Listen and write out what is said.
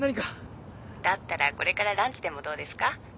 ☎だったらこれからランチでもどうですか？